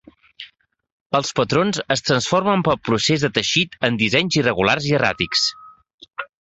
Els patrons es transformen pel procés de teixit en dissenys irregulars i erràtics.